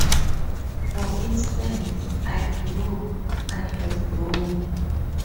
For instance 'I grow' : 'I have grown'.